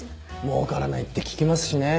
もうからないって聞きますしね。